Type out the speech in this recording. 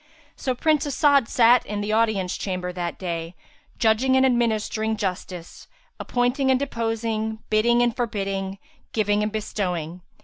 So Prince As'ad sat in the audience chamber that day, judging and administering justice, appointing and deposing, bidding and forbidding, giving and bestowing.